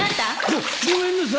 ごっごめんなさい！